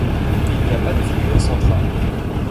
Il n'y a pas de figure centrale.